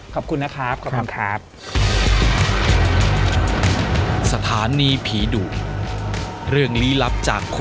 ขอบคุณนะครับขอบคุณครับ